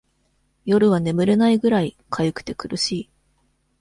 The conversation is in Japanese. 夜は眠れないぐらい、かゆくて苦しい。